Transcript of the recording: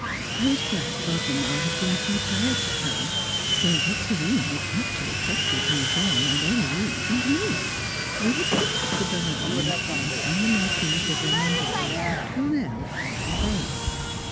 I was glad Godmamma had been too tired to come, so Victorine was actually trusted with Jean and Héloise and me. We had picked up the Baronne and the Comte and the Marquise de Vermandoise at Tournelle on our way.